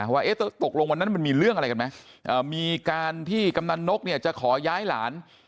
ว่าตกลงวันนั้นมันมีเรื่องอะไรกันไหมมีการที่กำนันนกเนี่ยจะขอย้ายหลาน